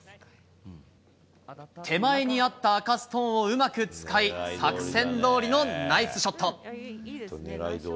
手前にあった赤ストーンをうまく使い、作戦どおりのナイスショット。